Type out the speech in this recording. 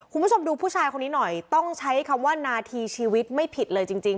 คุณผู้ชมดูผู้ชายคนนี้หน่อยต้องใช้คำว่านาทีชีวิตไม่ผิดเลยจริง